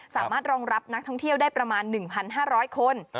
สามารถรองรับนักท่องเที่ยวได้ประมาณ๑๕๐๐คน